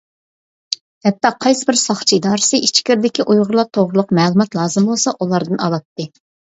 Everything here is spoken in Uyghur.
ھەتتا قايسى بىر ساقچى ئىدارىسى ئىچكىرىدىكى ئۇيغۇرلار توغرىلىق مەلۇمات لازىم بولسا ئۇلاردىن ئالاتتى.